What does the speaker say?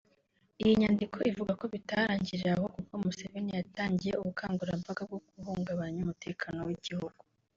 Iyi nyandiko ivuga ko bitarangiriye aho kuko Museveni yatangiye ubukangurambaga bwo guhungabanya umutekano w’igihugu